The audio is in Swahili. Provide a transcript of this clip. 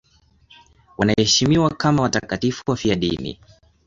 Wanaheshimiwa kama watakatifu wafiadini.